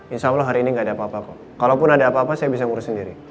insya allah hari ini gak ada apa apa kok kalaupun ada apa apa saya bisa ngurus sendiri